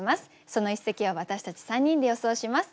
その一席を私たち３人で予想します。